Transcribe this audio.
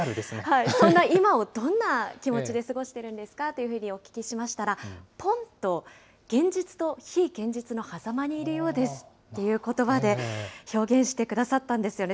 そんな今をどんな気持ちで過ごしているんですかというふうにお聞きしましたら、ぽんと、現実と非現実のはざまにいるようですということばで表現してくださったんですよね。